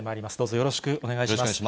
よろしくお願いします。